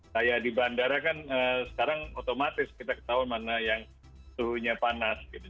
kayak di bandara kan sekarang otomatis kita ketahuan mana yang suhunya panas gitu